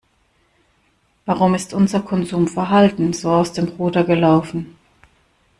Warum ist unser Konsumverhalten so aus dem Ruder gelaufen?